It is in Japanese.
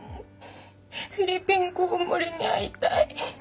フィリピンコウモリに会いたい。